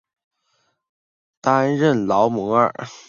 担任劳模。